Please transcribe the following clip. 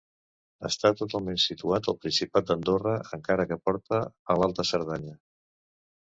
Està totalment situat al Principat d'Andorra, encara que porta a l'Alta Cerdanya.